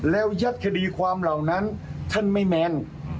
แล้วยัดคดีความเหล่านั้นท่านไม่แมน